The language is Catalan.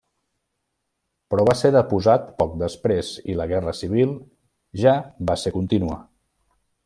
Però va ser deposat poc després i la guerra civil ja va ser continua.